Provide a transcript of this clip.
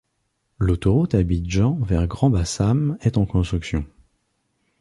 L'autoroute Abidjan vers Grand-Bassam est en construction.